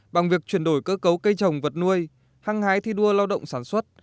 bằng việc chuyển đổi cơ cấu cây trồng vật nuôi hăng hái thi đua lao động sản xuất